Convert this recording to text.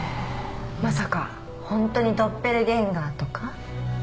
まさか本当にドッペルゲンガーとか？